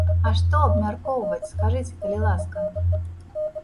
А што абмяркоўваць, скажыце, калі ласка?